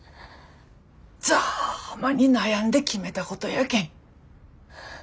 ざぁまに悩んで決めたことやけん。